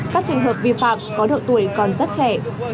các trường hợp vi phạm có độ tuổi còn rất trẻ